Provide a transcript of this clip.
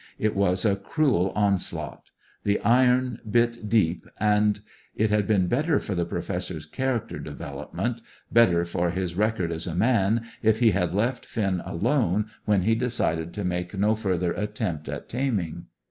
It was a cruel onslaught. The iron bit deep, and it had been better for the Professor's character development, better for his record as man, if he had left Finn alone when he decided to make no further attempt at taming.